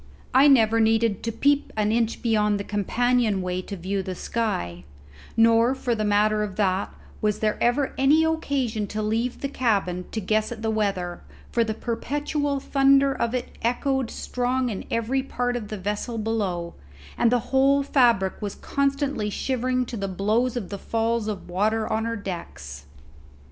I never needed to peep an inch beyond the companion way to view the sky; nor for the matter of that was there ever any occasion to leave the cabin to guess at the weather, for the perpetual thunder of it echoed strong in every part of the vessel below, and the whole fabric was constantly shivering to the blows of the falls of water on her decks.